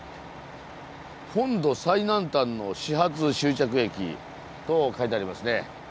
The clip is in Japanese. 「本土最南端の始発・終着駅」と書いてありますね。